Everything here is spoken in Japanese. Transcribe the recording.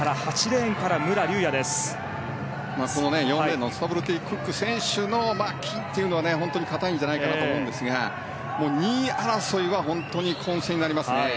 ４レーンのスタブルティ・クック選手の金は固いんじゃないかと思うんですが２位争いは本当に混戦になりますね。